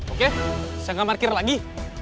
oke saya gak markir lagi